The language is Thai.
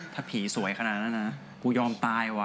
ถ้าผีสวยขนาดนั้นนะกูยอมตายว่